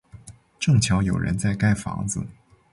正巧有人在盖房子